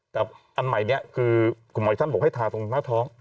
แต่อันใหม่นี้คือคุณหมออีกท่านบอกให้ทาตรงหน้าท้อง